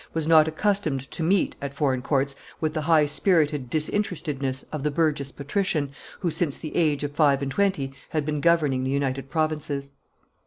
was not accustomed to meet, at foreign courts, with the high spirited disinterestedness of the burgess patrician, who, since the age of five and twenty, had been governing the United Provinces.